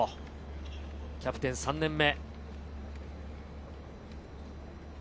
キャプテン３年目。